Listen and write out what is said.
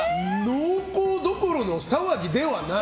濃厚どころの騒ぎではない！